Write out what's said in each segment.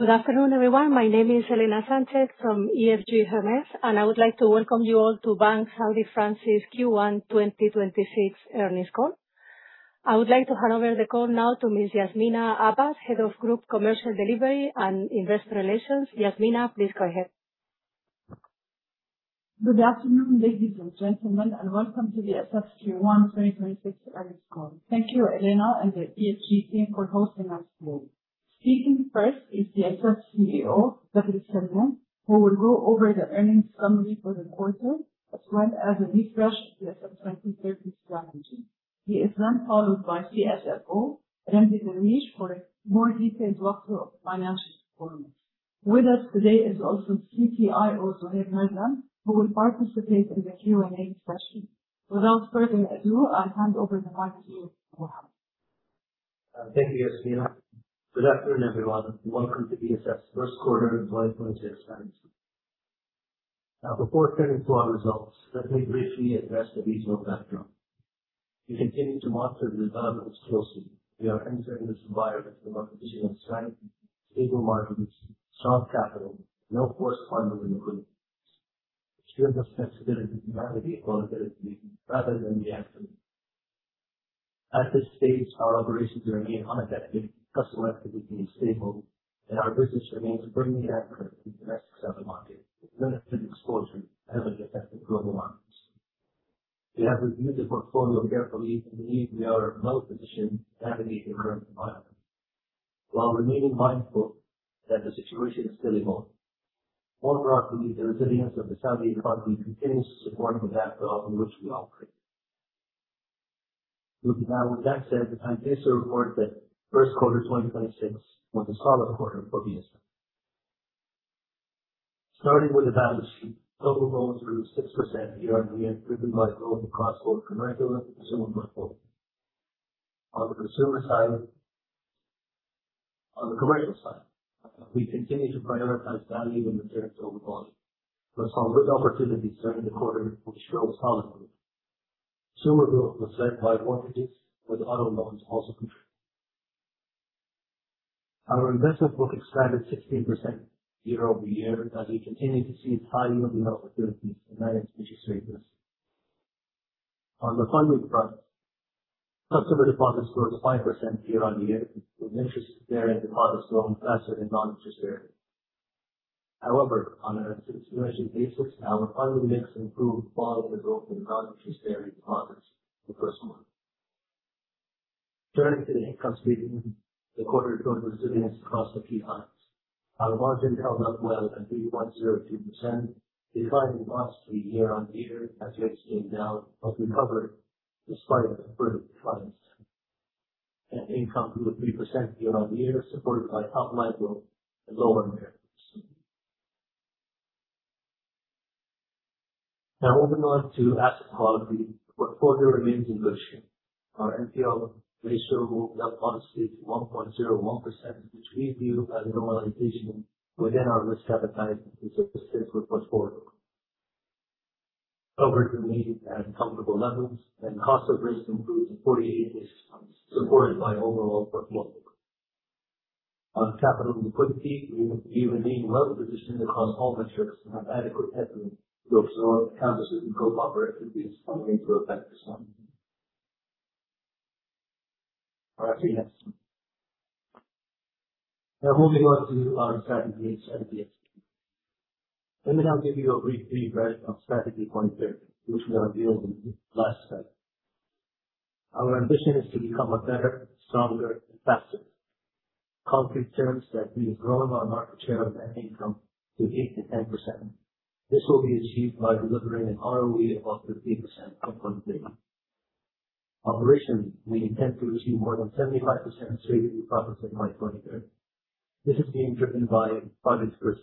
Good afternoon, everyone. My name is Elena Sanchez-Cabezudo from EFG Hermes. I would like to welcome you all to Banque Saudi Fransi's Q1 2026 earnings call. I would like to hand over the call now to Ms. Yasminah Abbas, Head of Group Commercial Delivery and Investor Relations. Yasmina, please go ahead. Good afternoon, ladies and gentlemen. Welcome to BSF's Q1 2026 earnings call. Thank you, Elena and the EFG team, for hosting us today. Speaking first is BSF's CEO, Wafic Said, who will go over the earnings summary for the quarter, as well as a refresh of the BSF 2030 strategy. He is then followed by CFO, Ramzy Darwish, for a more detailed walkthrough of the financial performance. With us today is also CCIO, Zuhair Mardam, who will participate in the Q&A session. Without further ado, I'll hand over the mic to you, Wafic. Thank you, Yasmina. Good afternoon, everyone. Welcome to BSF's first quarter 2026 earnings call. Now before turning to our results, let me briefly address the regional backdrop. We continue to monitor the developments closely. We are entering this environment from a position of strength, stable markets, strong capital, no forced funding inequities. It's still the flexibility and adaptability rather than the absolute. At this stage, our operations remain unaffected, customer activity is stable, our business remains firmly anchored in the domestic Saudi market, with limited exposure to heavily affected global markets. We have reviewed the portfolio carefully, believe we are well-positioned to navigate the current environment, while remaining mindful that the situation is still evolving. More broadly, the resilience of the Saudi economy continues to support the backdrop in which we operate. With that said, I'm pleased to report that first quarter 2026 was a solid quarter for BSF. Starting with the balance sheet, total loans grew 6% year-over-year, driven by growth across both commercial and consumer portfolios. On the commercial side, we continue to prioritize value and material over volume. The solid growth opportunities during the quarter, which drove solid growth. Consumer growth was led by mortgages, with other loans also contributing. Our investment book expanded 16% year-over-year as we continue to seize high yield and low volatility in managed interest rate risk. On the funding front, customer deposits grew 5% year-over-year, with interest-bearing deposits growing faster than non-interest-bearing. However, on an insulation basis, our funding mix improved following the growth in non-interest-bearing deposits in the first month. Turning to the income statement, the quarter showed resilience across the key items. Our margin held up well at 3.02%, declining last year on year as rates came down, but recovered despite a further decline. Net income grew 3% year on year, supported by top-line growth and lower impairments. Now moving on to asset quality. The portfolio remains in good shape. Our NPL ratio moved up honestly to 1.01%, which we view as a normalization within our risk appetite consistent with portfolio. Coverage remains at comfortable levels, and cost of risk improved to 48 basis points, supported by overall portfolio. On capital and liquidity, we remain well-positioned across all metrics and have adequate headroom to absorb counters and cope up our activities following through effect this morning. Next. Now moving on to our strategy and strategy update. Let me now give you a brief read of Strategy 2030, which we revealed in last slide. Our ambition is to become a better, stronger, and faster. Concrete terms that we are growing our market share of net income to 8%-10%. This will be achieved by delivering an ROE above 15% end 2030. Operationally, we intend to achieve more than 75% straight-through processing by 2030. This is being driven by Project Spruce,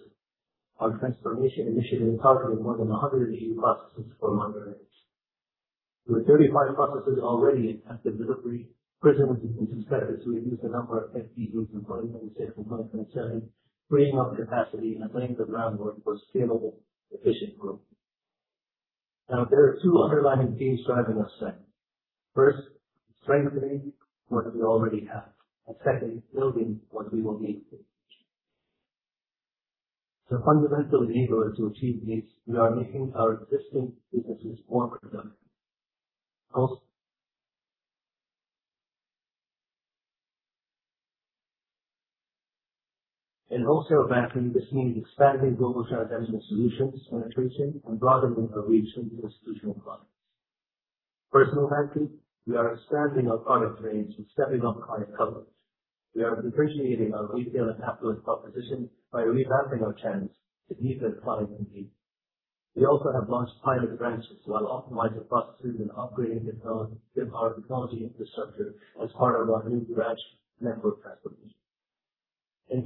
our transformation initiative targeting more than 180 processes for modernization. With 35 processes already in active delivery, Spruce is intended to reduce the number of FTEs employed by the state from 2027, freeing up capacity and laying the groundwork for scalable, efficient growth. There are two underlying themes driving this trend. First, strengthening what we already have, and second, building what we will need. To fundamentally be able to achieve these, we are making our existing businesses more productive. In wholesale banking, this means expanding global transactional solutions penetration and broadening our reach into institutional clients. In personal banking, we are expanding our product range and stepping up client coverage. We are differentiating our retail and affluent proposition by revamping our channels to meet the client need. We also have launched private branches while optimizing processes and upgrading our technology infrastructure as part of our new branch network transformation.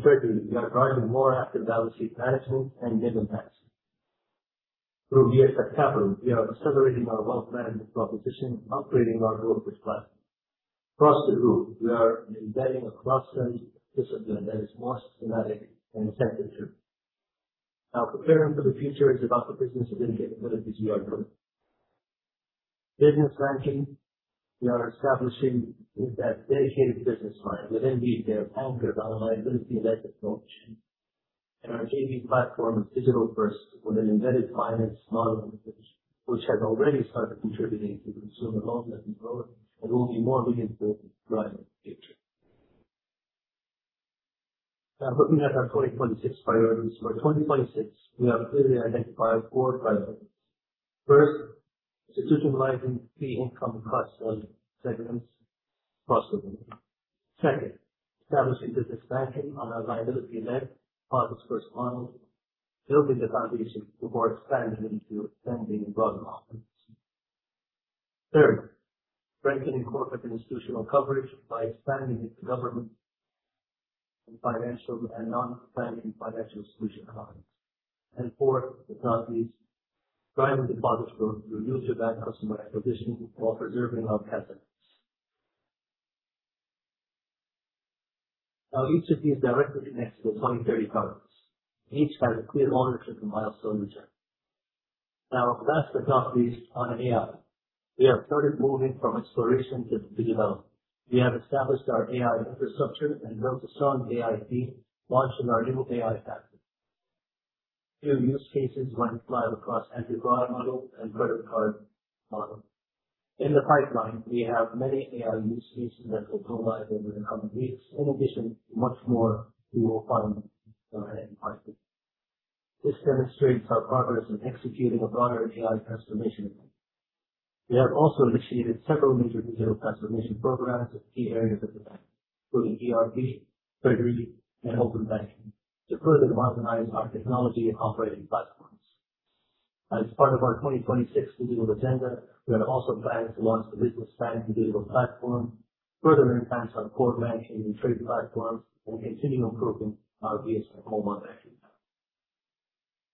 Thirdly, we are driving more active balance sheet management and NIM expansion. Through BSF Capital, we are accelerating our wealth management proposition, upgrading our robust platform. Across the group, we are embedding a cost discipline that is more systematic. Preparing for the future is about the business and capabilities we are building. In Business banking, we are establishing with that dedicated business line within BSF anchored on a liability-led approach and our AB platform is digital first with an embedded finance model, which has already started contributing to consumer loan growth and will be more meaningful going forward. Looking at our 2026 priorities. For 2026, we have clearly identified four priorities. First, institutionalizing fee income across all segments across the bank. Second, establishing the expansion on our liability-led deposits first model, building the foundation toward expanding into lending and broader offerings. Third, strengthening corporate institutional coverage by expanding into government and non-banking financial solution offerings. Fourth, but not least, driving deposit growth through retail bank customer acquisition while preserving our cost discipline. Each of these directly connects to the 2030 targets, each has a clear monitoring and milestone return. Last but not least, on AI. We have started moving from exploration to development. We have established our AI infrastructure and built a strong AI team, launching our new AI factory. Here, use cases went live across anti-fraud model and credit card model. In the pipeline, we have many AI use cases that will go live over the coming weeks. In addition, much more we will find down the line in the pipeline. This demonstrates our progress in executing a broader AI transformation agenda. We have also initiated several major digital transformation programs at key areas of the bank, including ERP, treasury, and open banking to further modernize our technology and operating platforms. As part of our 2026 digital agenda, we are also planning to launch the business banking digital platform, further enhance our core banking and trade platforms, and continue improving our BSF mobile banking app.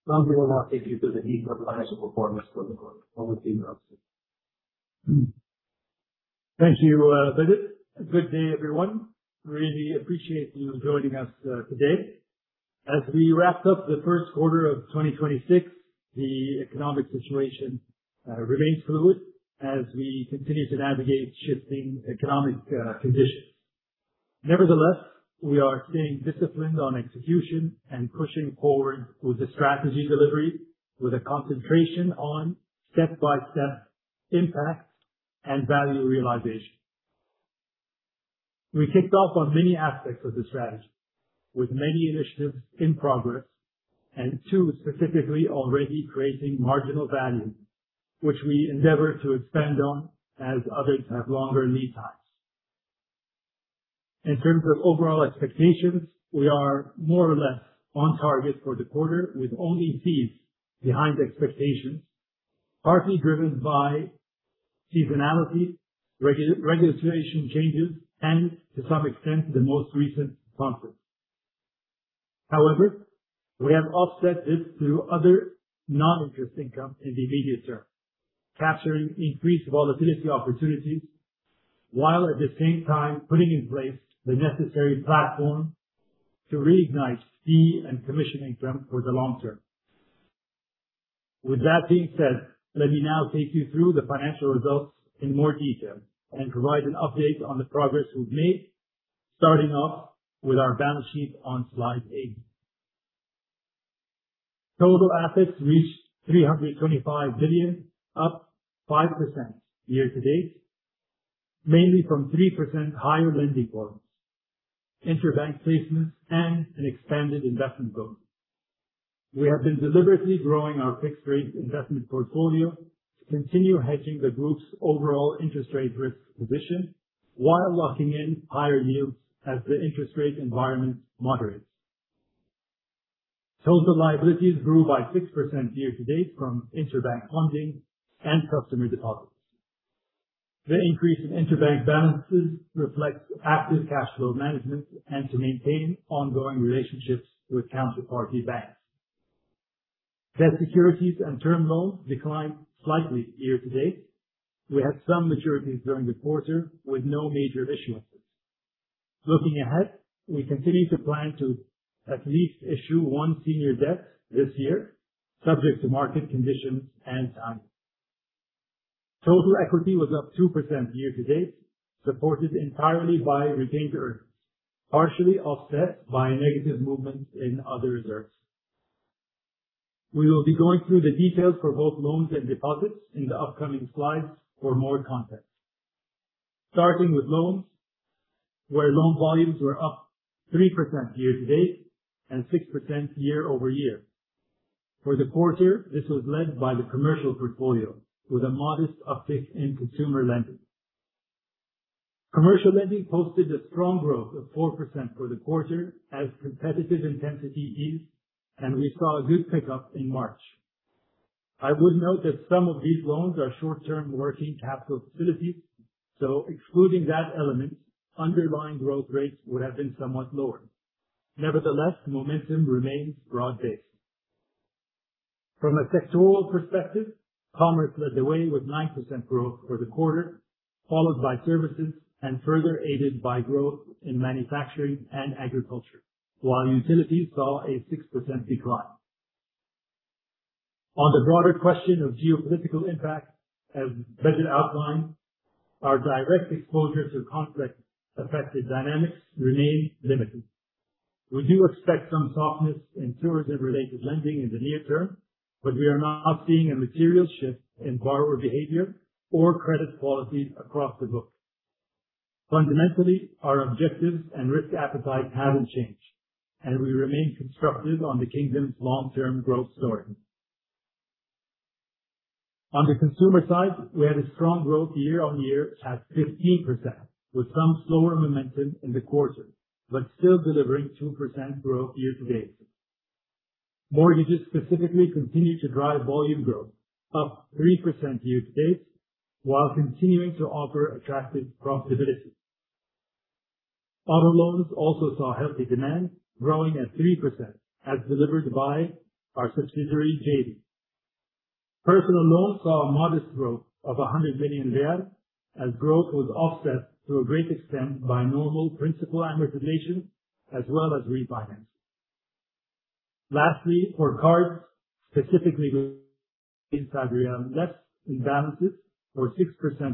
Ramzi will now take you through the detailed financial performance for the quarter. Over to you, Ramzi. Thank you, Vadod. Good day, everyone. Really appreciate you joining us today. As we wrapped up the first quarter of 2026, the economic situation remains fluid as we continue to navigate shifting economic conditions. Nevertheless, we are staying disciplined on execution and pushing forward with the strategy delivery with a concentration on step-by-step impact and value realization. We kicked off on many aspects of the strategy, with many initiatives in progress, and two specifically already creating marginal value, which we endeavor to expand on as others have longer lead times. In terms of overall expectations, we are more or less on target for the quarter with only fees behind expectations, partly driven by seasonality, regulation changes, and to some extent, the most recent conflict. We have offset this through other non-interest income in the immediate term, capturing increased volatility opportunities, while at the same time putting in place the necessary platform to reignite fee and commission income for the long term. With that being said, let me now take you through the financial results in more detail and provide an update on the progress we've made, starting off with our balance sheet on slide eight. Total assets reached 325 billion, up 5% year to date, mainly from 3% higher lending volumes, interbank placements, and an expanded investment book. We have been deliberately growing our fixed rate investment portfolio to continue hedging the group's overall interest rate risk position while locking in higher yields as the interest rate environment moderates. Total liabilities grew by 6% year to date from interbank funding and customer deposits. The increase in interbank balances reflects active cash flow management and to maintain ongoing relationships with counterparty banks. Debt securities and term loans declined slightly year-to-date. We had some maturities during the quarter with no major issuances. Looking ahead, we continue to plan to at least issue one senior debt this year, subject to market conditions and timing. Total equity was up 2% year-to-date, supported entirely by retained earnings, partially offset by a negative movement in other reserves. We will be going through the details for both loans and deposits in the upcoming slides for more context. Starting with loans, where loan volumes were up 3% year-to-date and 6% year-over-year. For the quarter, this was led by the commercial portfolio with a modest uptick in consumer lending. Commercial lending posted a strong growth of 4% for the quarter as competitive intensity eased and we saw a good pickup in March. I would note that some of these loans are short-term working capital facilities, so excluding that element, underlying growth rates would have been somewhat lower. Nevertheless, momentum remains broad-based. From a sectoral perspective, commerce led the way with 9% growth for the quarter, followed by services and further aided by growth in manufacturing and agriculture, while utilities saw a 6% decline. On the broader question of geopolitical impact, as Majed outlined, our direct exposure to conflict-affected dynamics remain limited. We do expect some softness in tourism-related lending in the near term, but we are not seeing a material shift in borrower behavior or credit qualities across the book. Fundamentally, our objectives and risk appetite haven't changed, and we remain constructive on the kingdom's long-term growth story. On the consumer side, we had a strong growth year-on-year at 15%, with some slower momentum in the quarter, but still delivering 2% growth year-to-date. Mortgages specifically continued to drive volume growth up 3% year-to-date while continuing to offer attractive profitability. Auto loans also saw healthy demand growing at 3% as delivered by our subsidiary, JB. Personal loans saw a modest growth of 100 million, as growth was offset to a great extent by normal principal amortization as well as refinancing. Lastly, for cards specifically, we saw SAR less in balances or 6%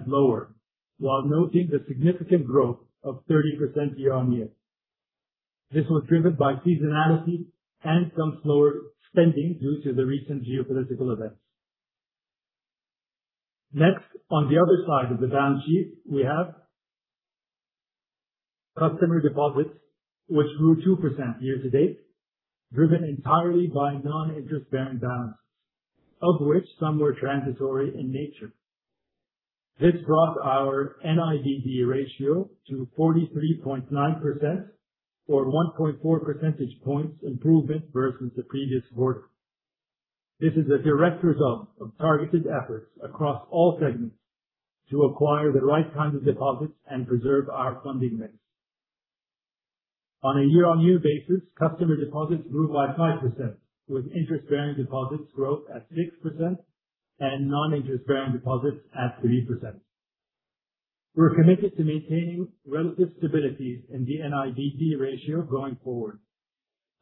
lower while noting the significant growth of 30% year-on-year. This was driven by seasonality and some slower spending due to the recent geopolitical events. Next, on the other side of the balance sheet, we have customer deposits, which grew 2% year-to-date, driven entirely by non-interest-bearing balances, of which some were transitory in nature. This brought our NIDD ratio to 43.9% or 1.4 percentage points improvement versus the previous quarter. This is a direct result of targeted efforts across all segments to acquire the right kinds of deposits and preserve our funding mix. On a year-on-year basis, customer deposits grew by 5%, with interest-bearing deposits growth at 6% and non-interest-bearing deposits at 3%. We're committed to maintaining relative stability in the NIDD ratio going forward.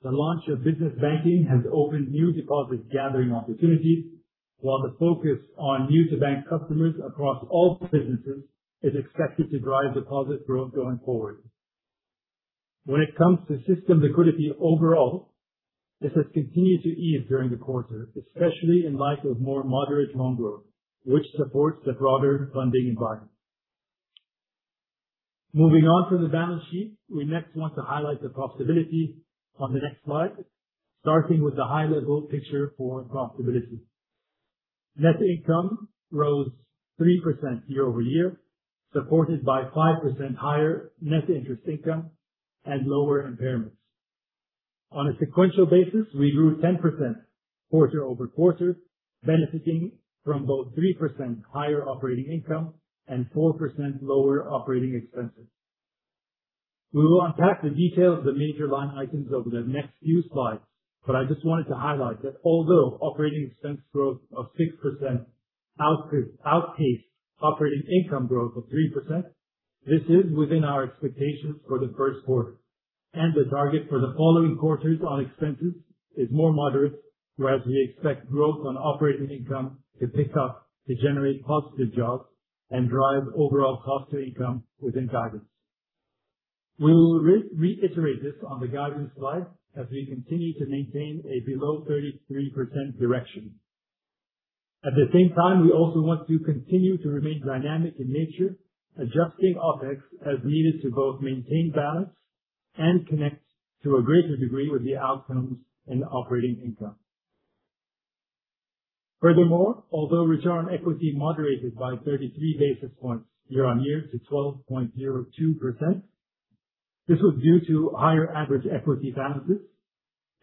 The launch of business banking has opened new deposit gathering opportunities, while the focus on new-to-bank customers across all businesses is expected to drive deposit growth going forward. When it comes to system liquidity overall, this has continued to ease during the quarter, especially in light of more moderate loan growth, which supports the broader funding environment. Moving on from the balance sheet, we next want to highlight the profitability on the next slide, starting with the high-level picture for profitability. Net income rose 3% year-over-year, supported by 5% higher net interest income and lower impairments. On a sequential basis, we grew 10% quarter-over-quarter, benefiting from both 3% higher operating income and 4% lower Operating Expenses. We will unpack the detail of the major line items over the next few slides, but I just wanted to highlight that although Operating Expense growth of 6% outpaced operating income growth of 3%, this is within our expectations for the first quarter, and the target for the following quarters on expenses is more moderate, whereas we expect growth on operating income to pick up to generate positive jobs and drive overall cost to income within guidance. We will reiterate this on the guidance slide as we continue to maintain a below 33% direction. At the same time, we also want to continue to remain dynamic in nature, adjusting OpEx as needed to both maintain balance and connect to a greater degree with the outcomes in operating income. Furthermore, although return on equity moderated by 33 basis points year-on-year to 12.02%, this was due to higher average equity balances.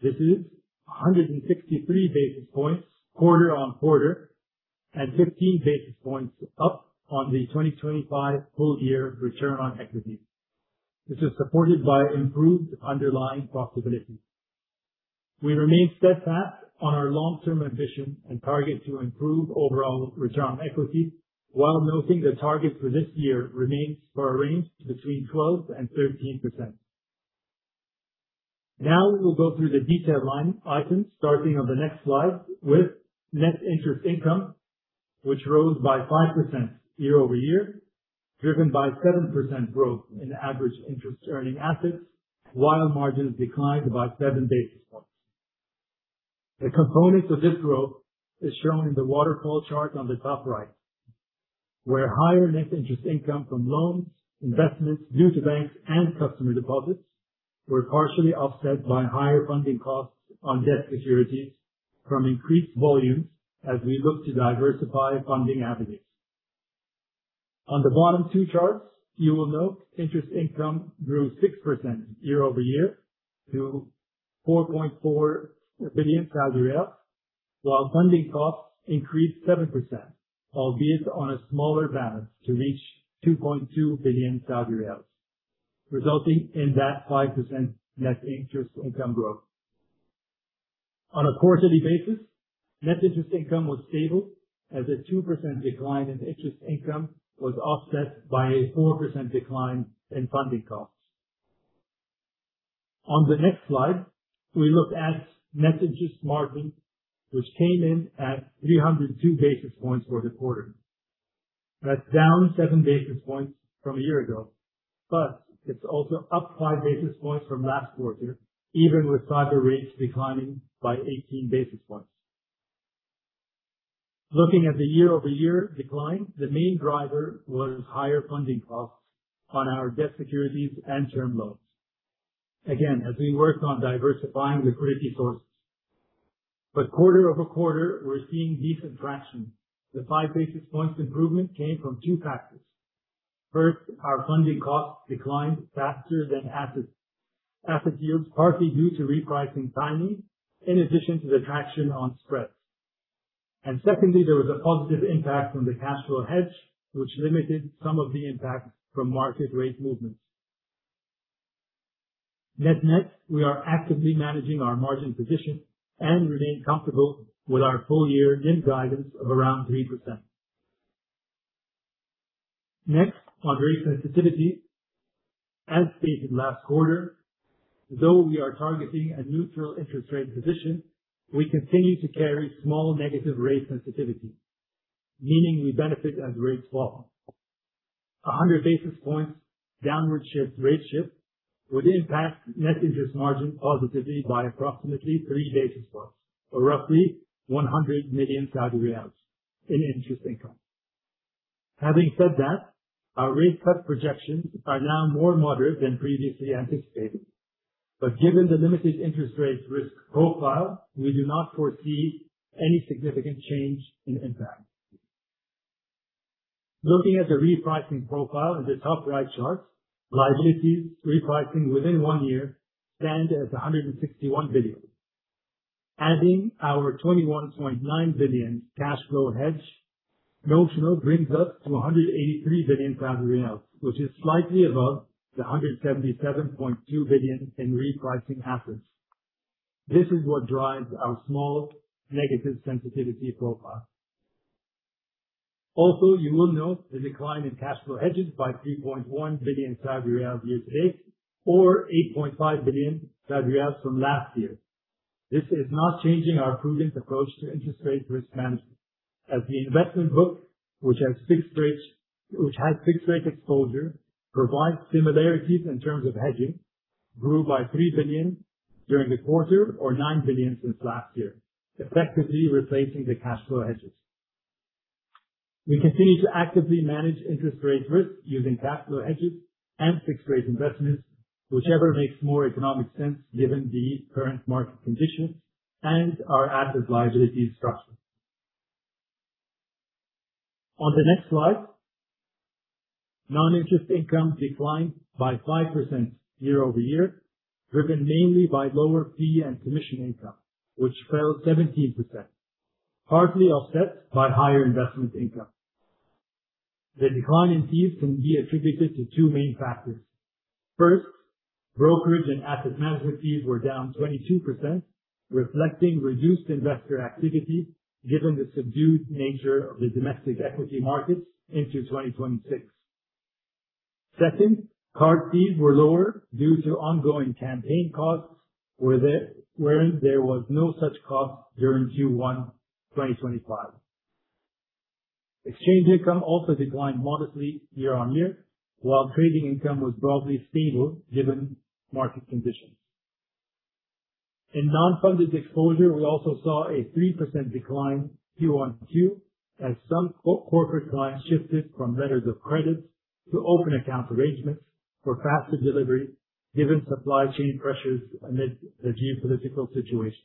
This is 163 basis points quarter-on-quarter and 15 basis points up on the 2025 full year return on equity. This is supported by improved underlying profitability. We remain steadfast on our long-term ambition and target to improve overall return on equity while noting the target for this year remains for a range between 12% and 13%. Now we will go through the detailed line items starting on the next slide with net interest income, which rose by 5% year-over-year, driven by 7% growth in average interest earning assets, while margins declined by seven basis points. The components of this growth is shown in the waterfall chart on the top right, where higher net interest income from loans, investments due to banks and customer deposits were partially offset by higher funding costs on debt securities from increased volumes as we look to diversify funding avenues. On the bottom two charts, you will note interest income grew 6% year-over-year to 4.4 billion while funding costs increased 7%, albeit on a smaller balance, to reach 2.2 billion Saudi riyals, resulting in that 5% net interest income growth. On a quarterly basis, net interest income was stable as a 2% decline in interest income was offset by a 4% decline in funding costs. On the next slide, we look at net interest margin, which came in at 302 basis points for the quarter. That's down seven basis points from a year ago, but it's also up five basis points from last quarter, even with SAIBOR rates declining by 18 basis points. Looking at the year-over-year decline, the main driver was higher funding costs on our debt securities and term loans. Again, as we worked on diversifying liquidity sources. Quarter-over-quarter, we're seeing decent traction. The five basis points improvement came from two factors. First, our funding costs declined faster than asset yields, partly due to repricing timing, in addition to the traction on spreads. Secondly, there was a positive impact from the cash flow hedge, which limited some of the impact from market rate movements. Net-net, we are actively managing our margin position and remain comfortable with our full-year NIM guidance of around 3%. Next, on rate sensitivity. As stated last quarter, though we are targeting a neutral interest rate position, we continue to carry small negative rate sensitivity, meaning we benefit as rates fall. 100 basis points downward rate shift would impact net interest margin positively by approximately three basis points, or roughly 100 million in interest income. Having said that, our rate cut projections are now more moderate than previously anticipated. Given the limited interest rate risk profile, we do not foresee any significant change in impact. Looking at the repricing profile in the top right chart, liabilities repricing within one year stand at 161 billion. Adding our 21.9 billion cash flow hedge notional brings us to SAR 183 billion, which is slightly above the 177.2 billion in repricing assets. This is what drives our small negative sensitivity profile. Also, you will note the decline in cash flow hedges by 3.1 billion Saudi riyal year-to-date, or 8.5 billion Saudi riyal from last year. This is not changing our prudent approach to interest rate risk management, as the investment book, which has fixed rate exposure, provides similarities in terms of hedging, grew by 3 billion during the quarter, or 9 billion since last year, effectively replacing the cash flow hedges. We continue to actively manage interest rate risk using cash flow hedges and fixed rate investments, whichever makes more economic sense given the current market conditions and our assets liability structure. On the next slide, non-interest income declined by 5% year-over-year, driven mainly by lower fee and commission income, which fell 17%, partly offset by higher investment income. The decline in fees can be attributed to two main factors. First, brokerage and asset management fees were down 22%, reflecting reduced investor activity given the subdued nature of the domestic equity markets into 2026. Second, card fees were lower due to ongoing campaign costs where there was no such cost during Q1 2025. Exchange income also declined modestly year-on-year, while trading income was broadly stable given market conditions. In non-funded exposure, we also saw a 3% decline Q1 on Q as some corporate clients shifted from Letters of Credit to open account arrangements for faster delivery, given supply chain pressures amid the geopolitical situation.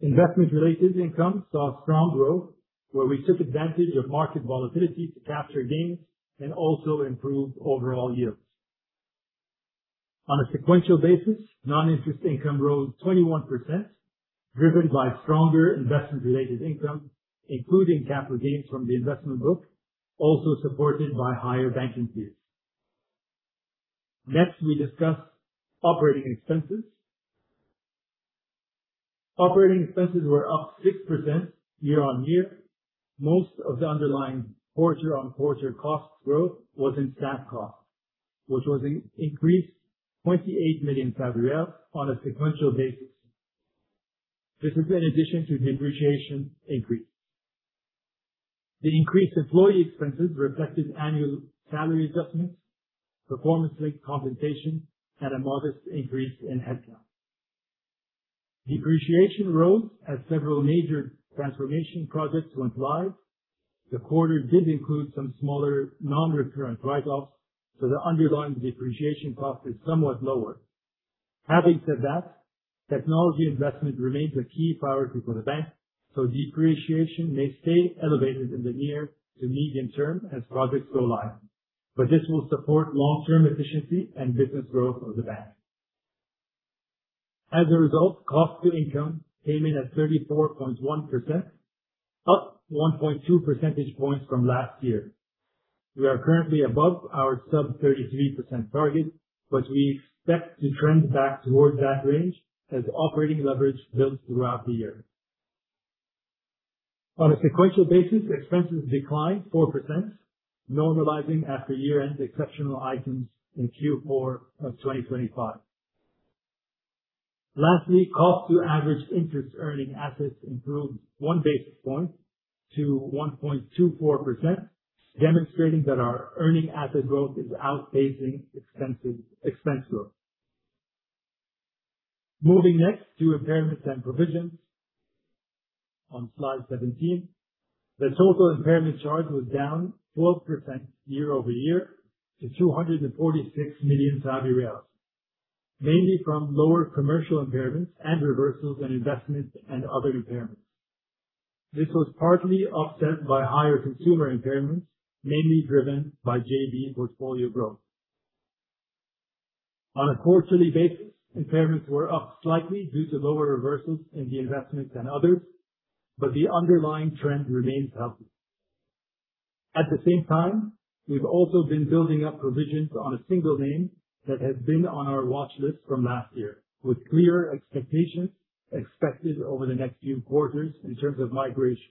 Investment-related income saw strong growth where we took advantage of market volatility to capture gains and also improve overall yields. On a sequential basis, non-interest income rose 21%, driven by stronger investment-related income, including capital gains from the investment book, also supported by higher banking fees. Next, we discuss operating expenses. Operating expenses were up 6% year-on-year. Most of the underlying quarter-on-quarter cost growth was in staff costs, which was increased 28 million on a sequential basis. This is in addition to depreciation increase. The increased employee expenses reflected annual salary adjustments, performance-linked compensation, and a modest increase in headcount. Depreciation rose as several major transformation projects went live. The quarter did include some smaller non-recurrent write-offs, so the underlying depreciation cost is somewhat lower. Having said that, technology investment remains a key priority for the bank, so depreciation may stay elevated in the near to medium term as projects go live. This will support long-term efficiency and business growth of the bank. As a result, cost to income came in at 34.1%, up 1.2 percentage points from last year. We are currently above our sub-33% target. We expect to trend back towards that range as operating leverage builds throughout the year. On a sequential basis, expenses declined 4%, normalizing after year-end exceptional items in Q4 2025. Lastly, cost to average interest earning assets improved one basis point to 1.24%, demonstrating that our earning asset growth is outpacing expense growth. Moving next to impairments and provisions on slide 17. The total impairment charge was down 12% year-over-year to 246 million Saudi riyals, mainly from lower commercial impairments and reversals in investments and other impairments. This was partly offset by higher consumer impairments, mainly driven by JV portfolio growth. On a quarterly basis, impairments were up slightly due to lower reversals in the investment and others, the underlying trend remains healthy. At the same time, we've also been building up provisions on a single name that has been on our watch list from last year, with clear expectations expected over the next few quarters in terms of migration.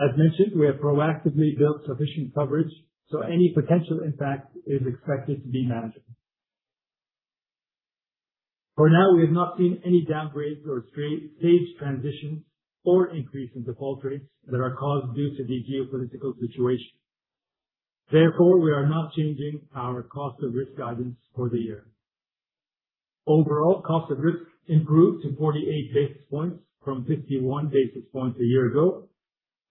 As mentioned, we have proactively built sufficient coverage, so any potential impact is expected to be manageable. For now, we have not seen any downgrades or stage transitions or increase in default rates that are caused due to the geopolitical situation. Therefore, we are not changing our cost of risk guidance for the year. Overall, cost of risk improved to 48 basis points from 51 basis points a year ago,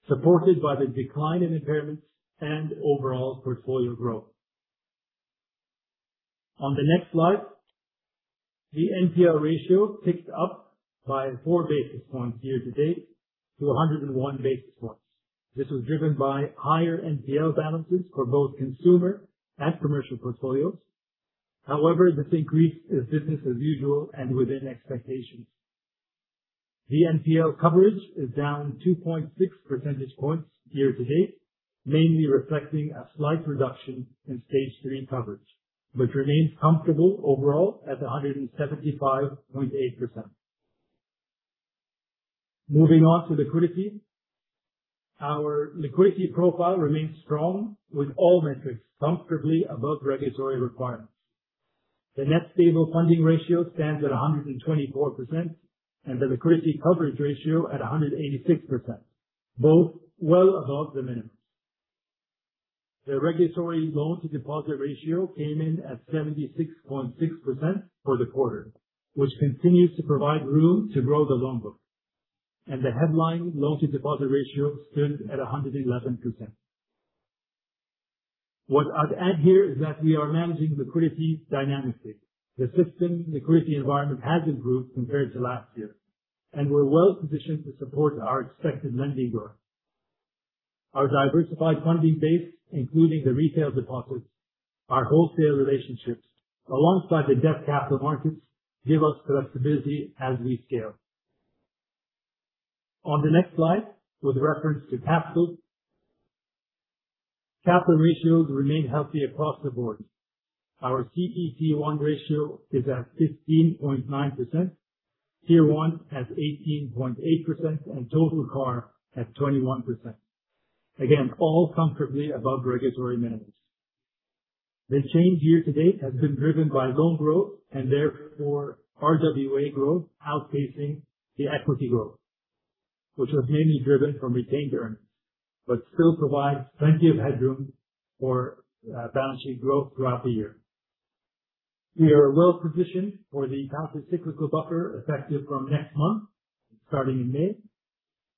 supported by the decline in impairments and overall portfolio growth. On the next slide, the NPL ratio ticked up by four basis points year-to-date to 101 basis points. This was driven by higher NPL balances for both consumer and commercial portfolios. This increase is business as usual and within expectations. The NPL coverage is down 2.6 percentage points year-to-date, mainly reflecting a slight reduction in stage 3 coverage, but remains comfortable overall at 175.8%. Moving on to liquidity. Our liquidity profile remains strong, with all metrics comfortably above regulatory requirements. The net stable funding ratio stands at 124% and the liquidity coverage ratio at 186%, both well above the minimums. The regulatory loan to deposit ratio came in at 76.6% for the quarter, which continues to provide room to grow the loan book. The headline loan to deposit ratio stood at 111%. What I'd add here is that we are managing liquidity dynamically. The system liquidity environment has improved compared to last year. We're well positioned to support our expected lending growth. Our diversified funding base, including the retail deposits, our wholesale relationships, alongside the depth capital markets, give us flexibility as we scale. On the next slide, with reference to capital. Capital ratios remain healthy across the board. Our CET1 ratio is at 15.9%, Tier 1 at 18.8%, and total CAR at 21%. Again, all comfortably above regulatory minimums. The change year-to-date has been driven by loan growth and therefore RWA growth outpacing the equity growth, which was mainly driven from retained earnings but still provides plenty of headroom for balance sheet growth throughout the year. We are well positioned for the countercyclical buffer effective from next month, starting in May.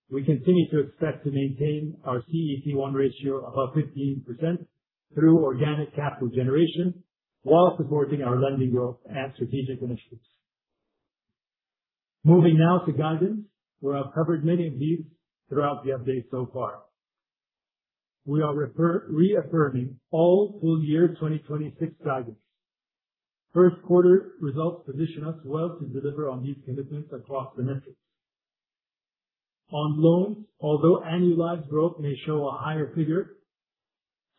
We continue to expect to maintain our CET1 ratio above 15% through organic capital generation while supporting our lending growth and strategic initiatives. Moving now to guidance, where I've covered many of these throughout the update so far. We are reaffirming all full year 2026 guidance. First quarter results position us well to deliver on these commitments across the metrics. On loans, although annualized growth may show a higher figure,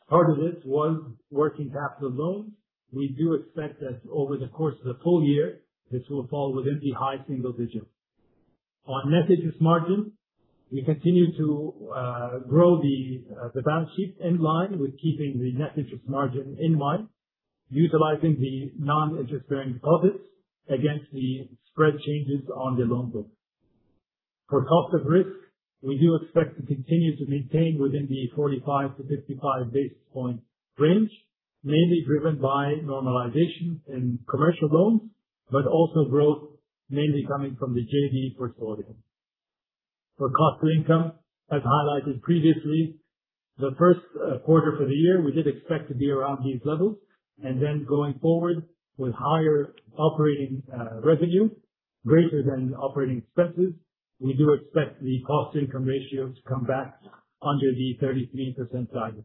part of this was working capital loans. We do expect that over the course of the full year, this will fall within the high single digits. On net interest margin, we continue to grow the balance sheet in line with keeping the net interest margin in mind, utilizing the non-interest bearing deposits against the spread changes on the loan book. For cost of risk, we do expect to continue to maintain within the 45 to 55 basis points range, mainly driven by normalization in commercial loans, but also growth mainly coming from the JV portfolio. For cost to income, as highlighted previously, the first quarter for the year, we did expect to be around these levels. Going forward with higher operating revenue greater than operating expenses, we do expect the cost income ratio to come back under the 33% guidance.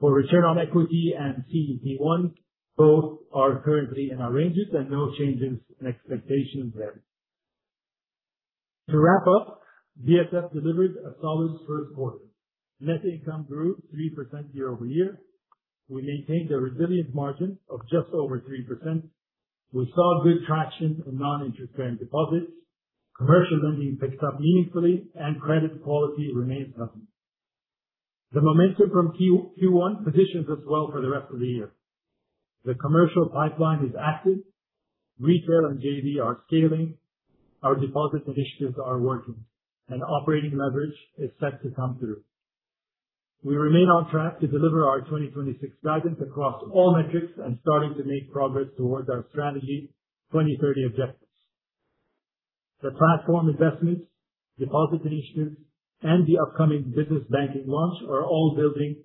For return on equity and CET1, both are currently in our ranges and no changes in expectations there. To wrap up, BSF delivered a solid first quarter. Net income grew 3% year-over-year. We maintained a resilient margin of just over 3%. We saw good traction in non-interest bearing deposits. Commercial lending picked up meaningfully, and credit quality remains healthy. The momentum from Q1 positions us well for the rest of the year. The commercial pipeline is active, retail and JV are scaling, our deposit initiatives are working, and operating leverage is set to come through. We remain on track to deliver our 2026 guidance across all metrics, starting to make progress towards our Strategy 2030 objectives. The platform investments, deposit initiatives, and the upcoming business banking launch are all building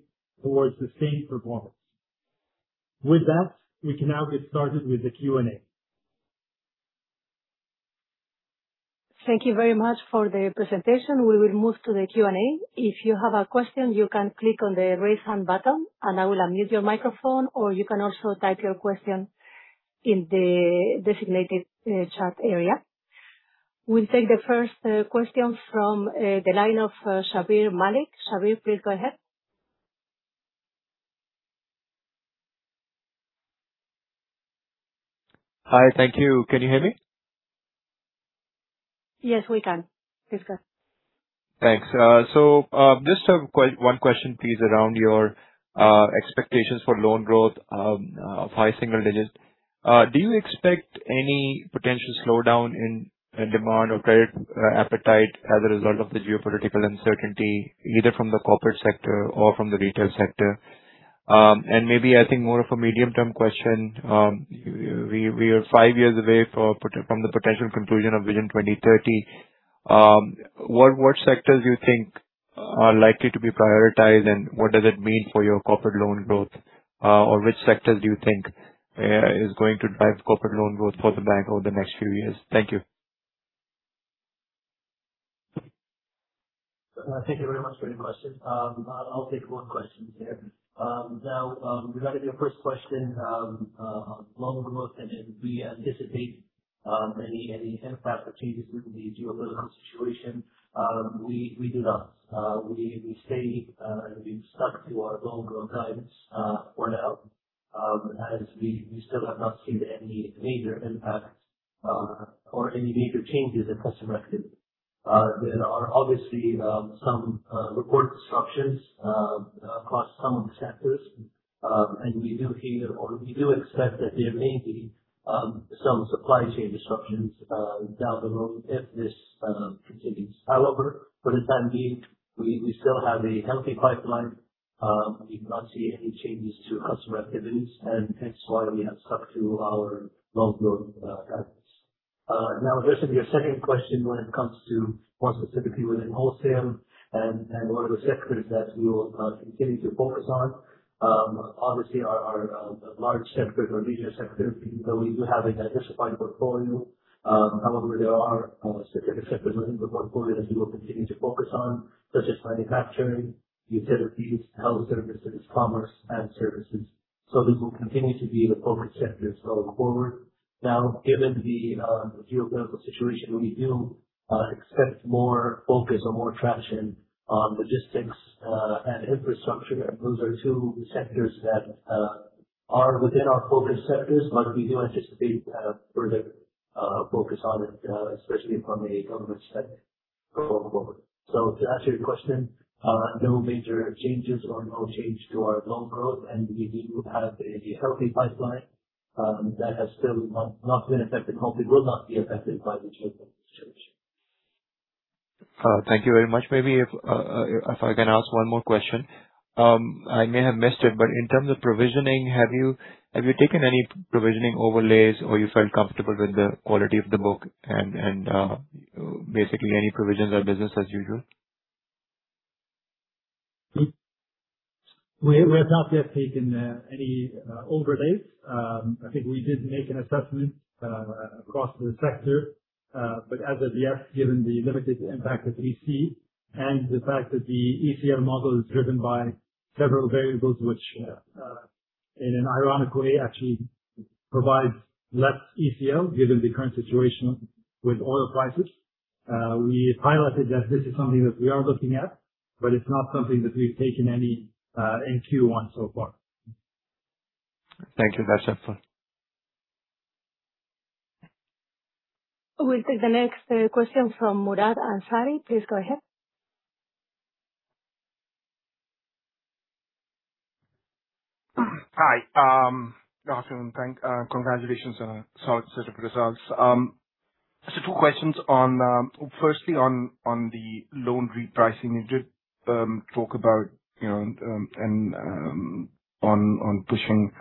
towards sustained performance. With that, we can now get started with the Q&A. Thank you very much for the presentation. We will move to the Q&A. If you have a question, you can click on the Raise Hand button, and I will unmute your microphone, or you can also type your question in the designated chat area. We will take the first question from the line of Shabbir Malik. Shabbir, please go ahead. Hi. Thank you. Can you hear me? Yes, we can. Please go ahead. Thanks. Just one question, please, around your expectations for loan growth of high single digits. Do you expect any potential slowdown in demand or credit appetite as a result of the geopolitical uncertainty, either from the corporate sector or from the retail sector? Maybe I think more of a medium-term question, we are five years away from the potential conclusion of Vision 2030. What sectors do you think are likely to be prioritized, and what does it mean for your corporate loan growth? Which sectors do you think is going to drive corporate loan growth for the bank over the next few years? Thank you. Thank you very much for your question. I'll take both questions here. Regarding your first question, loan growth and if we anticipate any impact or changes with the geopolitical situation, we do not. We stay and we've stuck to our loan growth guidance for now, as we still have not seen any major impact or any major changes in customer activity. There are obviously some reported disruptions across some of the sectors, and we do hear, or we do expect that there may be some supply chain disruptions down the road if this continues. However, for the time being, we still have a healthy pipeline. We've not seen any changes to customer activities, hence why we have stuck to our loan growth guidance. Addressing your second question when it comes to more specifically within wholesale and what are the sectors that we will continue to focus on. Obviously, our large sectors are regional sectors, even though we do have a diversified portfolio. However, there are specific sectors within the portfolio that we will continue to focus on, such as manufacturing, utilities, health services, commerce, and services. Those will continue to be the focus sectors going forward. Given the geopolitical situation, we do expect more focus or more traction on logistics and infrastructure. Those are two sectors that are within our focus sectors, but we do anticipate a further focus on it, especially from a government spend going forward. To answer your question, no major changes or no change to our loan growth, and we do have a healthy pipeline that has still not been affected, hopefully will not be affected by the geopolitical situation. Thank you very much. Maybe if I can ask one more question. I may have missed it, but in terms of provisioning, have you taken any provisioning overlays, or you felt comfortable with the quality of the book and basically any provisions are business as usual? We have not yet taken any overlays. I think we did make an assessment across the sector. As of yet, given the limited impact that we see and the fact that the ECL model is driven by several variables, which, in an ironic way, actually provides less ECL given the current situation with oil prices. We highlighted that this is something that we are looking at, but it's not something that we've taken any in Q1 so far. Thank you. That's helpful. We'll take the next question from Murad Ansari. Please go ahead. Hi. Awesome. Thank you. Congratulations on a solid set of results. Just two questions on, firstly, on the loan repricing. You did talk about on pushing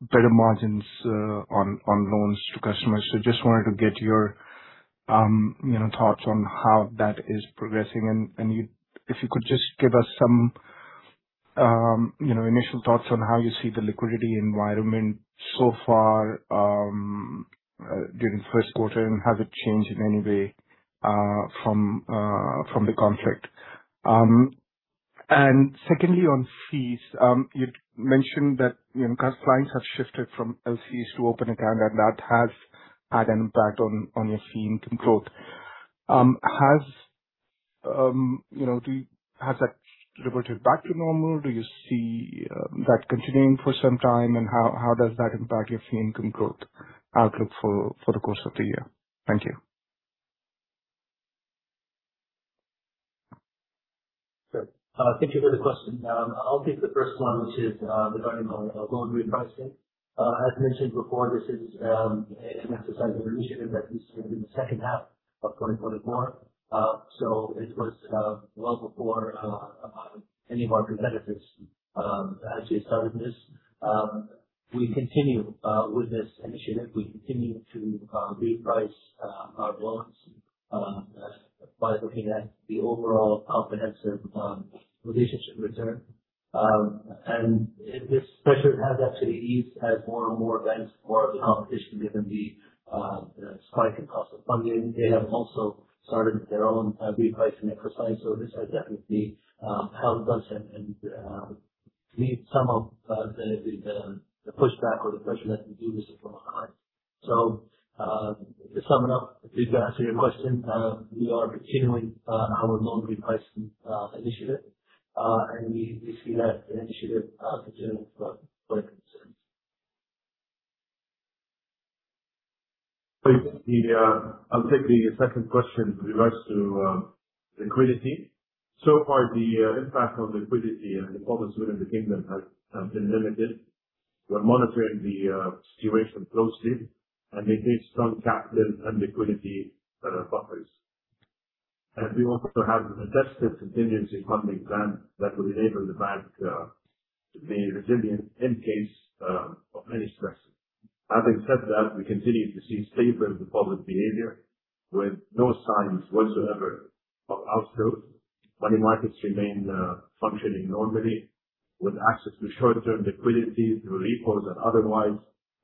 better margins on loans to customers. Just wanted to get your thoughts on how that is progressing and if you could just give us some initial thoughts on how you see the liquidity environment so far during the first quarter, and has it changed in any way from the conflict? Secondly, on fees, you mentioned that clients have shifted from LCs to open account, and that has had an impact on your fee income growth. Has that reverted back to normal? Do you see that continuing for some time, and how does that impact your fee income growth outlook for the course of the year? Thank you. Sure. Thank you for the question. I'll take the first one, which is regarding our loan repricing. As mentioned before, this is an exercise or initiative that we started in the second half of 2024. It was well before any of our competitors actually started this. We continue with this initiative. We continue to reprice our loans by looking at the overall comprehensive relationship return. This pressure has actually eased as more and more events, more of the competition given the spike in cost of funding. They have also started their own repricing exercise. This has definitely helped us and relieved some of the pushback or the pressure that we do this from. To sum it up, I think that answers your question. We are continuing our loan repricing initiative, and we see that initiative continuing for the time being. I'll take the second question with regards to liquidity. So far, the impact on liquidity and deposits within the kingdom has been limited. We're monitoring the situation closely and maintain strong capital and liquidity buffers. We also have an extensive contingency funding plan that will enable the bank to be resilient in case of any stresses. Having said that, we continue to see stable deposit behavior with no signs whatsoever of outflows. Money markets remain functioning normally with access to short-term liquidity through repos and otherwise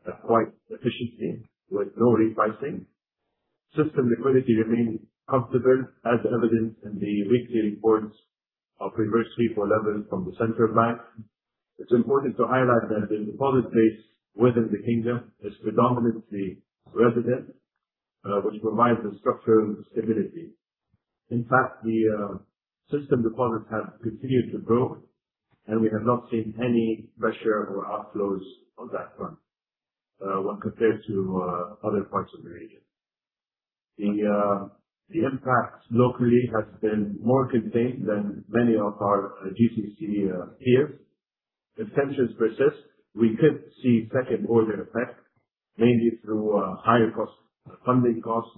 are quite efficient with no repricing. System liquidity remains comfortable, as evidenced in the weekly reports of reverse repo levels from the Saudi Central Bank. It's important to highlight that the deposit base within the kingdom is predominantly resident, which provides a structural stability. In fact, the system deposits have continued to grow, and we have not seen any pressure or outflows on that front when compared to other parts of the region. The impact locally has been more contained than many of our GCC peers. If tensions persist, we could see second-order effects, mainly through higher funding costs,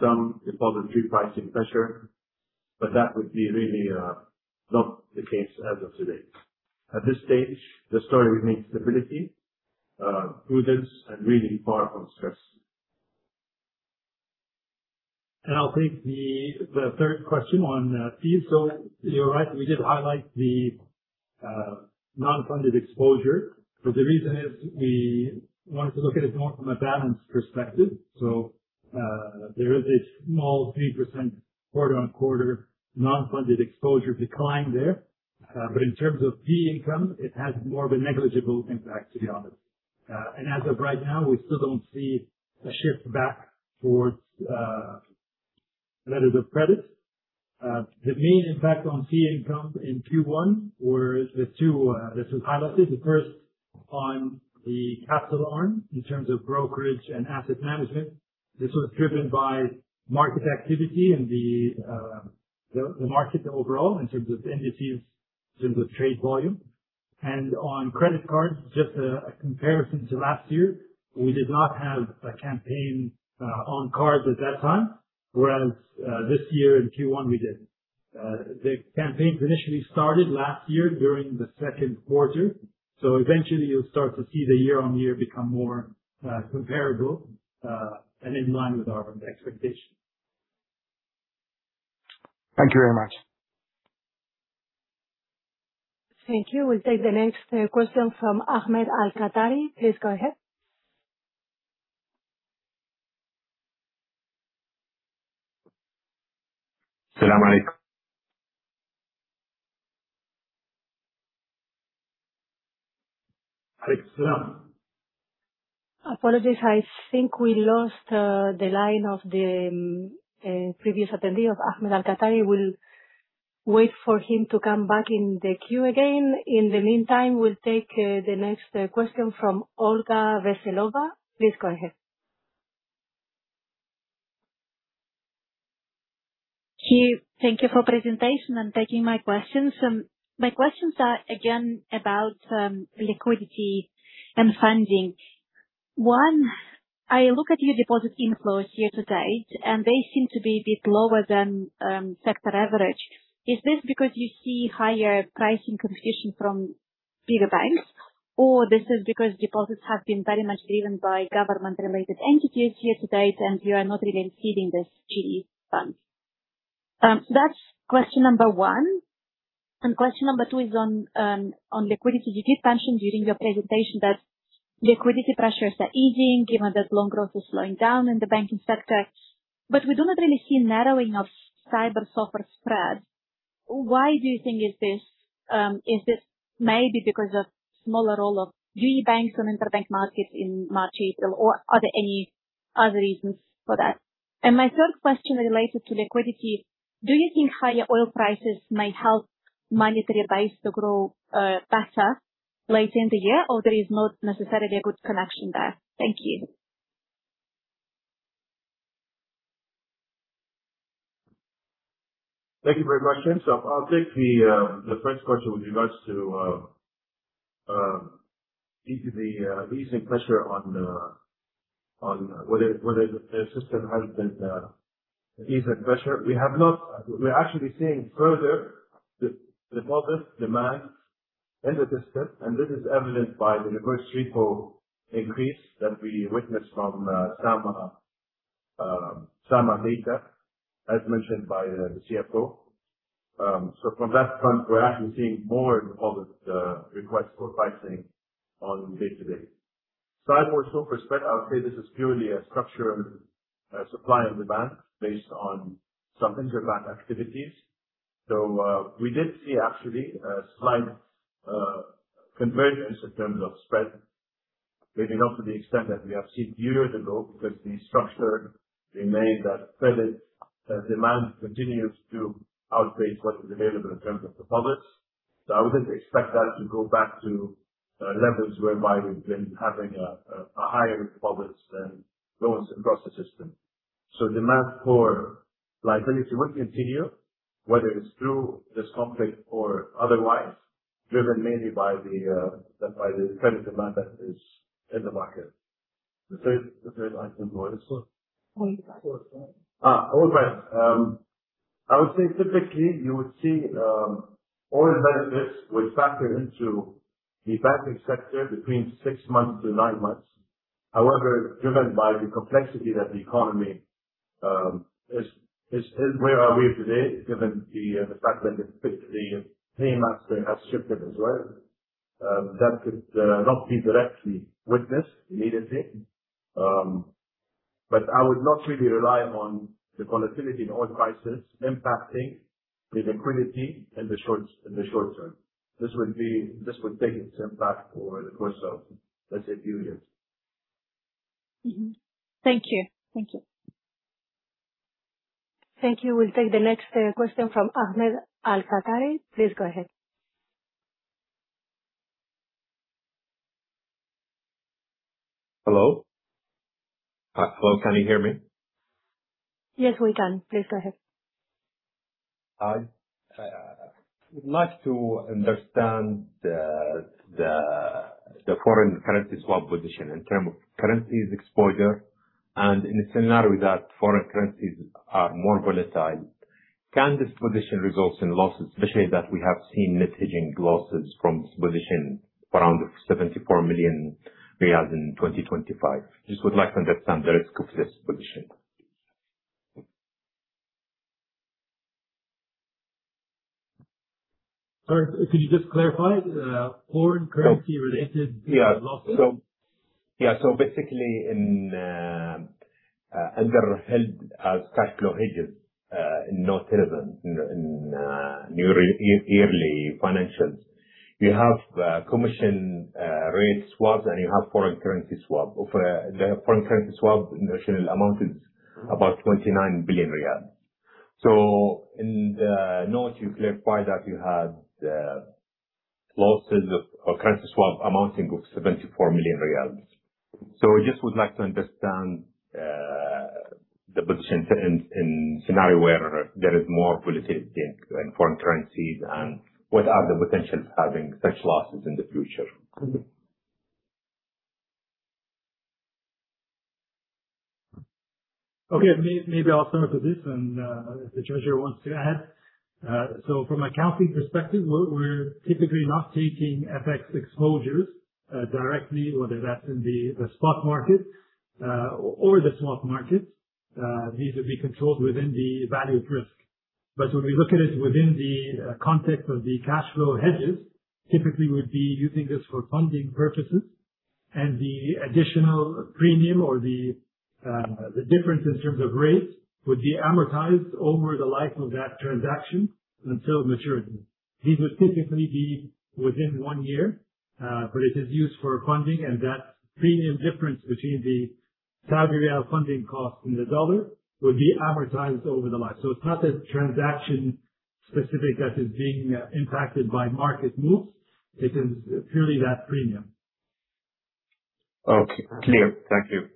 some deposit repricing pressure, but that would be really not the case as of today. At this stage, the story remains stability, prudence, and really far from stress. I'll take the third question on fees. You're right, we did highlight the non-funded exposure. The reason is we wanted to look at it more from a balance perspective. There is a small 3% quarter-on-quarter non-funded exposure decline there. In terms of fee income, it has more of a negligible impact, to be honest. As of right now, we still don't see a shift back towards Letters of Credit. The main impact on fee income in Q1 or the two that was highlighted, the first on BSF Capital in terms of brokerage and asset management. This was driven by market activity and the market overall in terms of indices, in terms of trade volume. On credit cards, just a comparison to last year, we did not have a campaign on cards at that time, whereas this year in Q1 we did. The campaigns initially started last year during the second quarter. Eventually you'll start to see the year-on-year become more comparable and in line with our expectations. Thank you very much. Thank you. We'll take the next question from Ahmed Al-Qatari. Please go ahead. Salam Alaikum. Alaikum Salam. Apologies, I think we lost the line of the previous attendee of Ahmed Al-Qatari. We'll wait for him to come back in the queue again. In the meantime, we'll take the next question from Olga Veselova. Please go ahead. Sure. Thank you for presentation and taking my questions. My questions are again about liquidity and funding. I look at your deposit inflows year-to-date, and they seem to be a bit lower than sector average. Is this because you see higher pricing competition from bigger banks, or this is because deposits have been very much driven by government-related entities year-to-date, and you are not really seeing this GRE fund? That's question number one. Question number two is on liquidity. You did mention during your presentation that liquidity pressures are easing given that loan growth is slowing down in the banking sector. We do not really see narrowing of SAIBOR-SOFR spread. Why do you think is this? Is it maybe because of smaller role of UI banks on interbank markets in March, April, or are there any other reasons for that? My third question related to liquidity, do you think higher oil prices may help monetary base to grow better later in the year or there is not necessarily a good connection there? Thank you. Thank you for your question. I'll take the first question with regards to the easing pressure on whether the system has been easing pressure. We're actually seeing further deposit demand in the system, and this is evident by the reverse repo increase that we witnessed from SAMA later, as mentioned by the CFO. From that front, we're actually seeing more deposit requests for pricing on day-to-day. I would say this is purely a structure of supply and demand based on some interbank activities. We did see actually a slight convergence in terms of spread, maybe not to the extent that we have seen years ago, because the structure remains that credit demand continues to outpace what is available in terms of deposits. I wouldn't expect that to go back to levels whereby we've been having a higher deposits than loans across the system. Demand for liquidity will continue, whether it's through this conflict or otherwise, driven mainly by the credit demand that is in the market. The third item, what was it? Oil price. Oil price. I would say typically, you would see oil benefits would factor into the banking sector between six months to nine months. However, driven by the complexity that the economy is, where are we today, given the fact that the theme has shifted as well. That could not be directly witnessed immediately. I would not really rely on the volatility in oil prices impacting the liquidity in the short term. This would take its impact over the course of, let's say, a few years. Thank you. Thank you. We'll take the next question from Ahmed Al-Qatari. Please go ahead. Hello? Hello, can you hear me? Yes, we can. Please go ahead. I would like to understand the foreign currency swap position in terms of currencies exposure, and in a scenario that foreign currencies are more volatile, can this position result in losses, especially that we have seen realized losses from this position around 74 million riyals in 2025? Just would like to understand the risk of this position. Sorry, could you just clarify, foreign currency-related losses? Yeah. Basically, under held as cash flow hedges, in note eleven, in yearly financials. You have commission rate swaps, and you have foreign currency swap. The foreign currency swap notional amount is about 29 billion riyal. In the note, you clarify that you had losses of currency swap amounting to 74 million riyals. Just would like to understand the position in scenario where there is more volatility in foreign currencies and what are the potentials having such losses in the future? Okay, maybe I'll start with this and if the treasurer wants to add. From accounting perspective, we're typically not taking FX exposures directly, whether that's in the spot market or the swap markets. These will be controlled within the value at risk. When we look at it within the context of the cash flow hedges, typically, we'd be using this for funding purposes and the additional premium or the difference in terms of rates would be amortized over the life of that transaction until maturity. These would typically be within one year, but it is used for funding, and that premium difference between the Saudi rial funding cost and the dollar would be amortized over the life. It's not a transaction specific that is being impacted by market moves. It is purely that premium. Okay, clear. Thank you.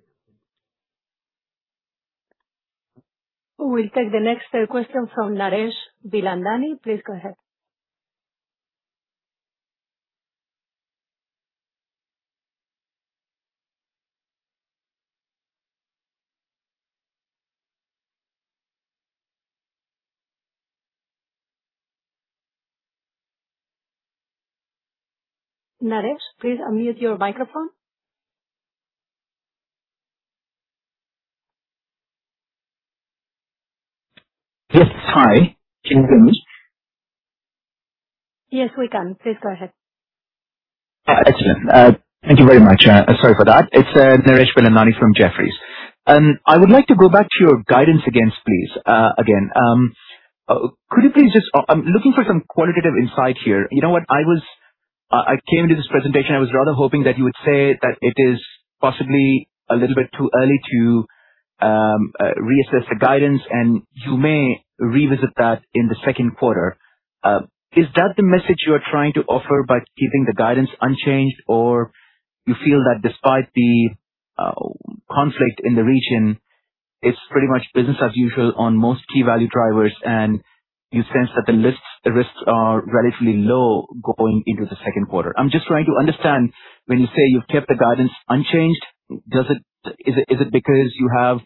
We'll take the next question from Naresh Bilandani. Please go ahead. Naresh, please unmute your microphone. Yes. Hi, can you hear me? Yes, we can. Please go ahead. Excellent. Thank you very much. Sorry for that. It's Naresh Bilandani from Jefferies. I would like to go back to your guidance again, please. I'm looking for some qualitative insight here. You know what? I came to this presentation, I was rather hoping that you would say that it is possibly a little bit too early to reassess the guidance, and you may revisit that in the second quarter. Is that the message you are trying to offer by keeping the guidance unchanged? You feel that despite the conflict in the region, it's pretty much business as usual on most key value drivers, and you sense that the risks are relatively low going into the second quarter? I'm just trying to understand, when you say you've kept the guidance unchanged, is it because you have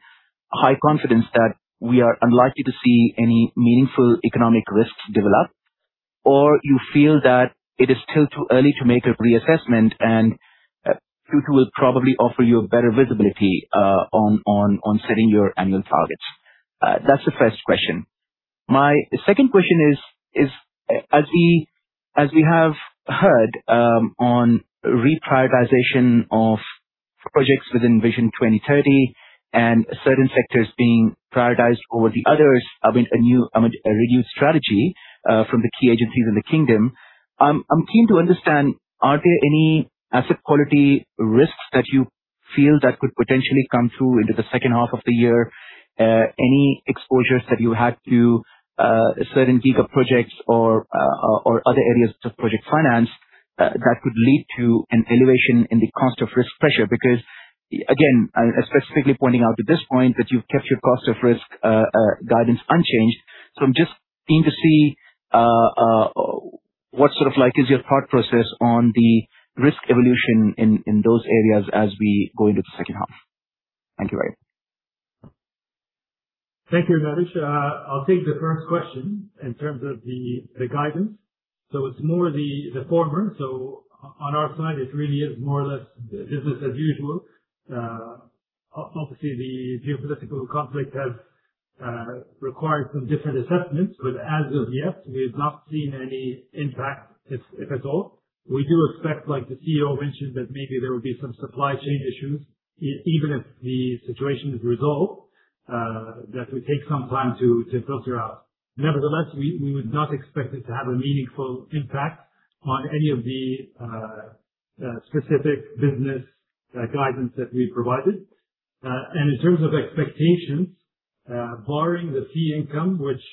high confidence that we are unlikely to see any meaningful economic risks develop? You feel that it is still too early to make a reassessment and Q2 will probably offer you a better visibility on setting your annual targets? That's the first question. My second question is, as we have heard on reprioritization of projects within Vision 2030 and certain sectors being prioritized over the others, I mean, a reduced strategy from the key agencies in the kingdom. I'm keen to understand, are there any asset quality risks that you feel that could potentially come through into the second half of the year? Any exposures that you had to certain giga projects or other areas of project finance that could lead to an elevation in the cost of risk pressure? Because, again, specifically pointing out to this point that you've kept your cost of risk guidance unchanged. I'm just keen to see what sort of like is your thought process on the risk evolution in those areas as we go into the second half. Thank you, Vadod. Thank you, Naresh. I'll take the first question in terms of the guidance. It's more the former. On our side, it really is more or less business as usual. Obviously, the geopolitical conflict has required some different assessments, but as of yet, we have not seen any impact if at all. We do expect, like the CEO mentioned, that maybe there will be some supply chain issues, even if the situation is resolved, that will take some time to filter out. Nevertheless, we would not expect it to have a meaningful impact on any of the specific business guidance that we provided. In terms of expectations, barring the fee income, which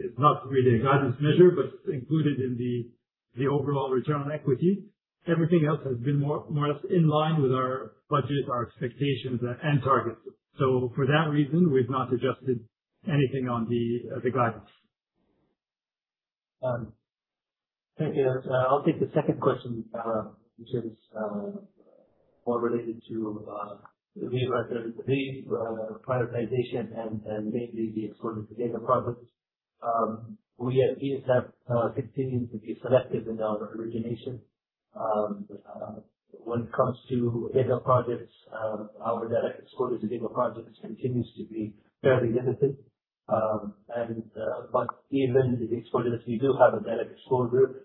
is not really a guidance measure, but included in the overall return on equity, everything else has been more or less in line with our budget, our expectations, and targets. For that reason, we've not adjusted anything on the guidance. Thank you. I'll take the second question, which is more related to the reprioritization and mainly the exposure to giga projects. We at BSF continue to be selective in our origination. When it comes to giga projects, our direct exposure to giga projects continues to be fairly limited. Even the exposure that we do have, a direct exposure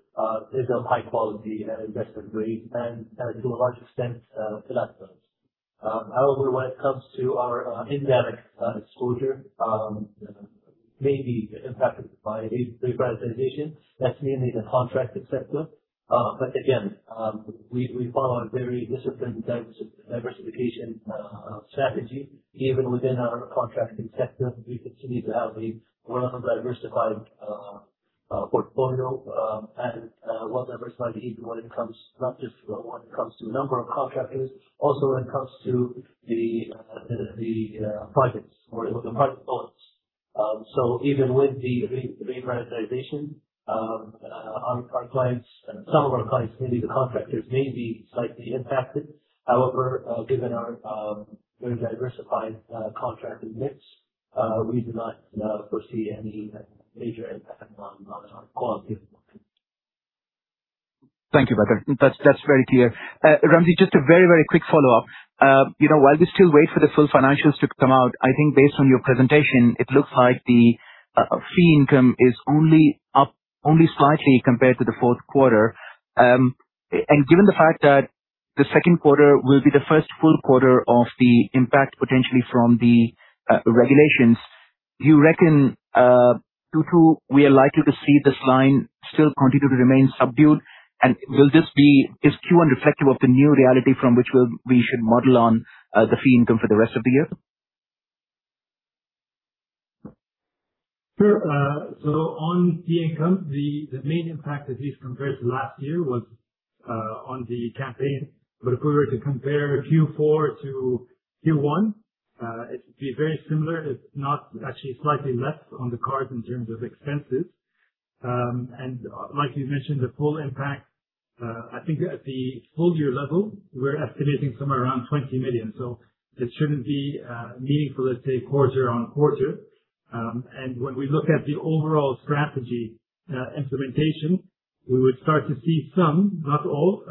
is of high quality and investment grade and to a large extent, to that purpose. However, when it comes to our indirect exposure, may be impacted by reprioritization. That's mainly the contracting sector. Again, we follow a very disciplined diversification strategy. Even within our contracting sector, we continue to have a well-diversified portfolio and well-diversified even when it comes not just when it comes to number of contractors, also when it comes to the projects or the project balance. Even with the reprioritization, some of our clients, maybe the contractors may be slightly impacted. However, given our very diversified contracting mix, we do not foresee any major impact on our quality. Thank you, Bader. That's very clear. Ramzy, just a very quick follow-up. While we still wait for the full financials to come out, I think based on your presentation, it looks like the fee income is only up only slightly compared to the fourth quarter. Given the fact that the second quarter will be the first full quarter of the impact, potentially from the regulations, do you reckon Q2, we are likely to see this line still continue to remain subdued? Is Q1 reflective of the new reality from which we should model on the fee income for the rest of the year? Sure. On fee income, the main impact, at least compared to last year was on the campaign. If we were to compare Q4 to Q1, it would be very similar, if not actually slightly less on the cards in terms of expenses. Like you mentioned, the full impact, I think at the full year level, we're estimating somewhere around 20 million. It shouldn't be meaningful, let's say quarter on quarter. When we look at the overall strategy implementation, we would start to see some, not all,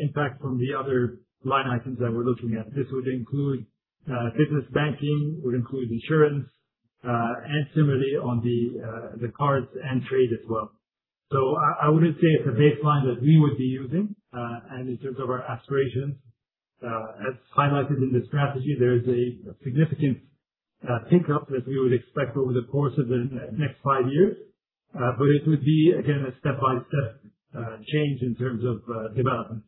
impact from the other line items that we're looking at. This would include Business Banking, would include insurance Similarly on the cards and trade as well. I wouldn't say it's a baseline that we would be using, and in terms of our aspirations, as highlighted in the Strategy, there is a significant pickup that we would expect over the course of the next five years. It would be, again, a step-by-step change in terms of development.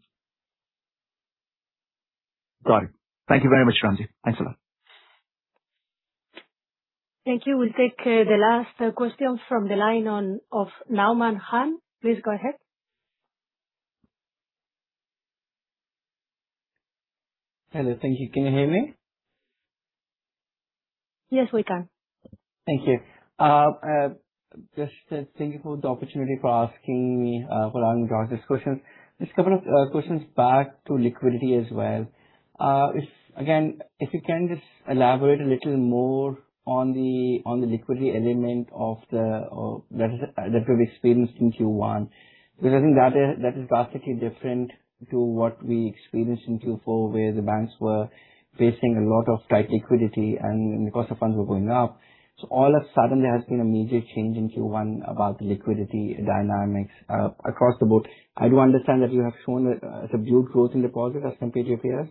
Got it. Thank you very much, Ranjeet. Thanks a lot. Thank you. We'll take the last question from the line of Nauman Khan. Please go ahead. Hello. Thank you. Can you hear me? Yes, we can. Thank you. Thank you for the opportunity for asking me about this question. A couple of questions back to liquidity as well. Again, if you can just elaborate a little more on the liquidity element that we've experienced in Q1, because I think that is drastically different to what we experienced in Q4, where the banks were facing a lot of tight liquidity and the cost of funds were going up. All of a sudden, there has been a major change in Q1 about the liquidity dynamics across the board. I do understand that you have shown a subdued growth in deposits as compared to peers,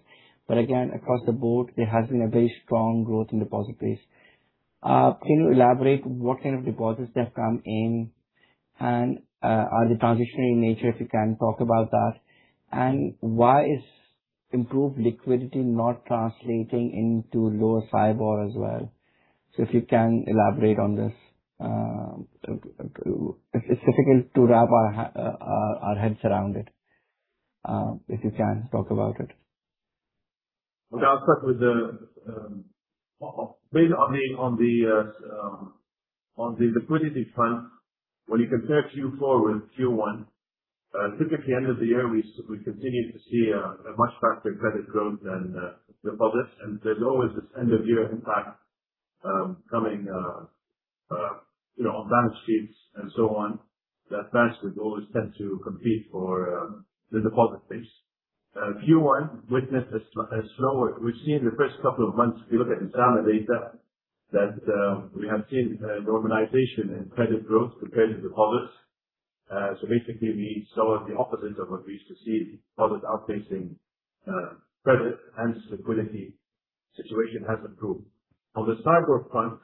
but again, across the board, there has been a very strong growth in deposit base. Can you elaborate what kind of deposits have come in and, are they transitional in nature, if you can talk about that? Why is improved liquidity not translating into lower SAIBOR as well? If you can elaborate on this. It's difficult to wrap our heads around it. If you can talk about it. I'll start with the liquidity front, when you compare Q4 with Q1, typically end of the year, we continue to see a much faster credit growth than deposits. There's always this end of year impact coming, on balance sheets and so on, that banks would always tend to compete for the deposit base. Q1 witnessed a slower. We've seen the first couple of months, if you look at the data, that we have seen a normalization in credit growth compared to deposits. Basically, we saw the opposite of what we used to see, deposits outpacing credit, hence liquidity situation has improved. On the SAIBOR front,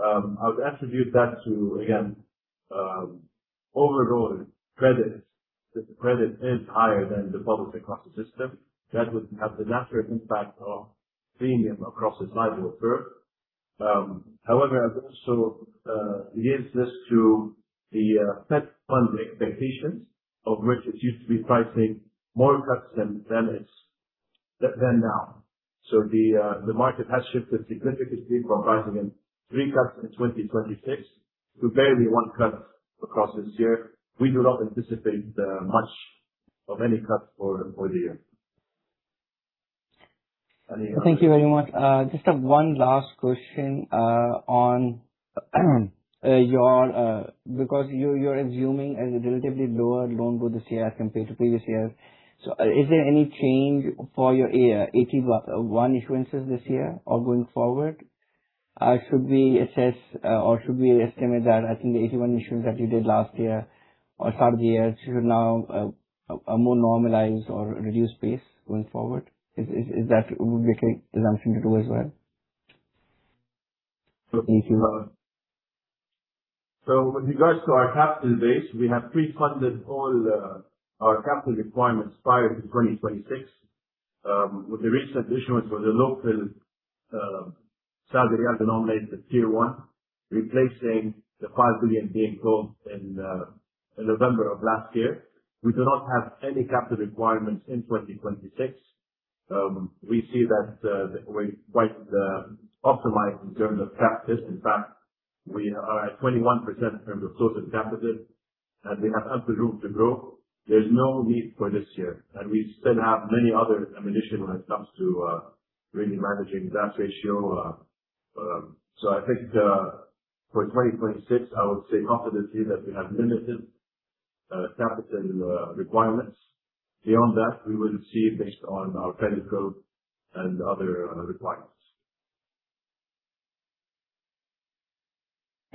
I would attribute that to, again, overall credit is higher than deposits across the system. That would have the natural impact of premium across the SAIBOR curve. I'd also relate this to the Fed Fund expectations, of which it used to be pricing more cuts than now. The market has shifted significantly from pricing in three cuts in 2026 to barely one cut across this year. We do not anticipate much of any cuts for the year. Thank you very much. Just one last question, because you're assuming a relatively lower loan growth this year as compared to previous years. Is there any change for your AT1 issuances this year or going forward? Should we assess or should we estimate that, I think the AT1 issuance that you did last year or start of the year should now a more normalized or reduced pace going forward? Is that a correct assumption to do as well? Looking into that one. With regards to our capital base, we have pre-funded all our capital requirements prior to 2026. With the recent issuance for the local SAR denominated Tier 1, replacing the 5 billion being drawn in November of last year. We do not have any capital requirements in 2026. We see that we're quite optimized in terms of capital. In fact, we are at 21% in terms of total capital, and we have ample room to grow. There's no need for this year, and we still have many other ammunition when it comes to really managing that ratio. I think for 2026, I would say confidently that we have limited capital requirements. Beyond that, we will see based on our credit growth and other requirements.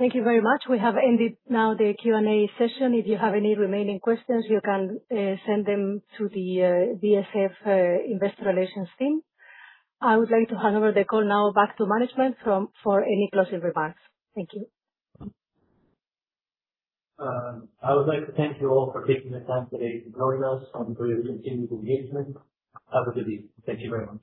Thank you very much. We have ended now the Q&A session. If you have any remaining questions, you can send them to the BSF Investor Relations team. I would like to hand over the call now back to management for any closing remarks. Thank you. I would like to thank you all for taking the time today to join us and for your continued engagement. Have a good evening. Thank you very much.